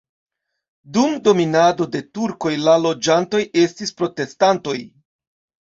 Dum dominado de turkoj la loĝantoj estis protestantoj.